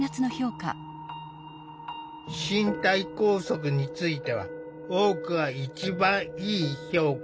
身体拘束については多くが一番いい評価。